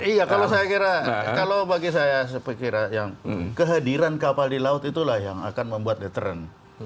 iya kalau saya kira kalau bagi saya yang kehadiran kapal di laut itulah yang akan membuat deteren